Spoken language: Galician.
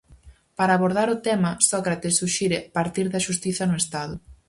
Para abordar o tema, Sócrates suxire partir da xustiza no estado.